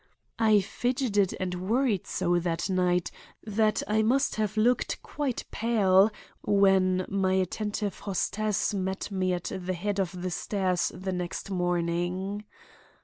"I fidgeted and worried so that night that I must have looked quite pale when my attentive hostess met me at the head of the stairs the next morning.